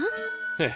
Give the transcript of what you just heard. ええ。